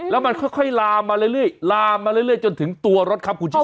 แล้วมันค่อยลามาเรื่อยจนถึงตัวรถครับคุณชิสา